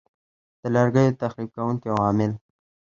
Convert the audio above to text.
د لرګیو تخریب کوونکي عوامل